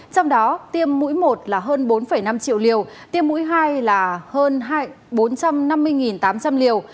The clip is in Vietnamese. trong đó tiêm mũi một là hơn bốn năm triệu liều tiêm mũi hai là hơn bốn trăm năm mươi tám trăm linh liều